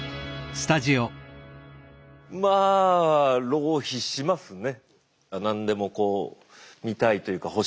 まあ浪費しますね。